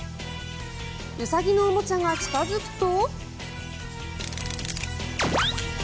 ウサギのおもちゃが近付くと。